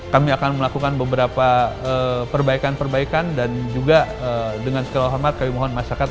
kami akan melakukan beberapa perbaikan perbaikan dan juga dengan segala hormat kami mohon masyarakat